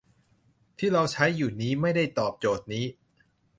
ที่เราใช้อยู่นี้ไม่ได้ตอบโจทย์นี้